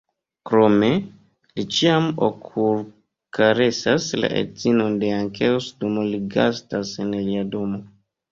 Krome, li ĉiam okulkaresas la edzinon de Jankeus dum li gastas en lia domo.